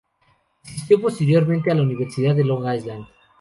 Asistió posteriormente a la Universidad de Long Island.